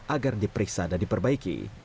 agar diperiksa dan diperbaiki